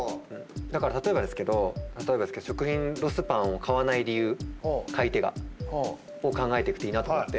だから例えばですけど食品ロスパンを買わない理由買い手が。を考えていくといいなと思って。